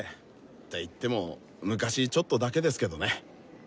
って言っても昔ちょっとだけですけどね。